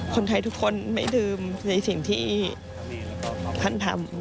คนไทยทุกคนไม่ลืมในสิ่งที่ท่านทำ